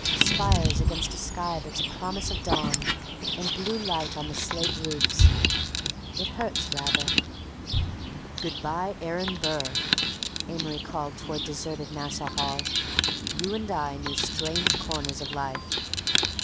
Spires, against a sky that's a promise of dawn, and blue light on the slate roofs—it hurts... rather—" "Good by, Aaron Burr," Amory called toward deserted Nassau Hall, "you and I knew strange corners of life."